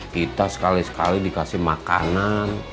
kita sekali sekali dikasih makanan